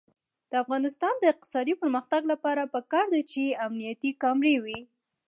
د افغانستان د اقتصادي پرمختګ لپاره پکار ده چې امنیتي کامرې وي.